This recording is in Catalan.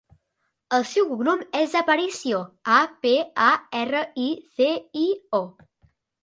El seu cognom és Aparicio: a, pe, a, erra, i, ce, i, o.